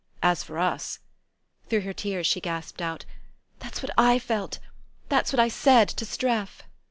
As for us " Through her tears she gasped out: "That's what I felt... that's what I said to Streff...."